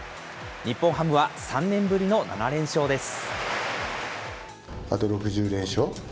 日本ハムは３年ぶりの７連勝です。